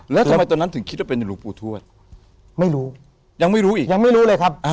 แล้วทำไมตอนนั้นถึงคิดว่าเป็นหลวงปู่ทวดไม่รู้ยังไม่รู้อีกยังไม่รู้เลยครับ